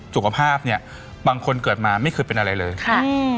สุขภาพเนี่ยบางคนเกิดมาไม่เคยเป็นอะไรเลยค่ะอืม